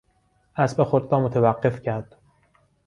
اسب خود را متوقف کرد.